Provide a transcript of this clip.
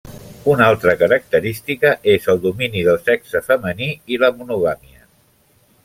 Una altra característica és el domini del sexe femení i la monogàmia.